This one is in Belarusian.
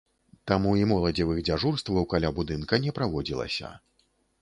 Таму і моладзевых дзяжурстваў каля будынка не праводзілася.